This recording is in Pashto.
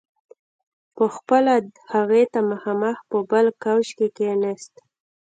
په خپله هغې ته مخامخ په بل کاوچ کې کښېناست.